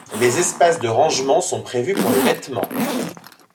Les espaces de rangement sont prévus pour les vêtements